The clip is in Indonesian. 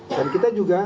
dan kita juga